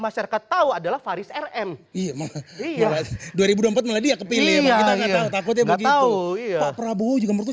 masyarakat tahu adalah faris rm iya dua ribu empat melihat kepilih takutnya begitu pak prabowo juga menurut